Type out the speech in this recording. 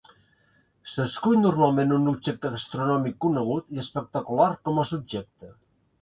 S'escull normalment un objecte astronòmic conegut i espectacular com a subjecte.